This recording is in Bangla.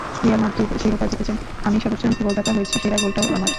রিয়াল মাদ্রিদ শিরোপা জিতেছে, আমি সর্বোচ্চ গোলদাতা হয়েছি, সেরা গোলটাও আমার।